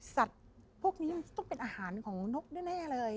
สัตว์พวกนี้มันจะต้องเป็นอาหารของนกแน่เลย